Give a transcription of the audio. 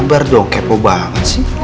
gambar dong kepo banget sih